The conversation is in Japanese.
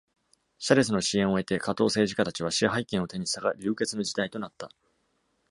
シャレスの支援を得て、寡頭政治家たちは支配権を手にしたが、流血の事態となった。